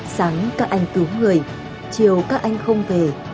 sáng các anh cứu người chiều các anh không về